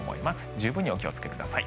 十分にお気をつけください。